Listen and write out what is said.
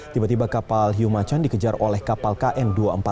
tiba tiba kapal hiu macan dikejar oleh kapal kn dua ratus empat puluh